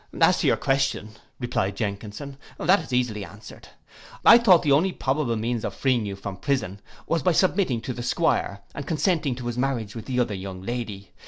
'As to your question,' replied Jenkinson, 'that is easily answered. I thought the only probable means of freeing you from prison, was by submitting to the 'Squire, and consenting to his marriage with the other young lady.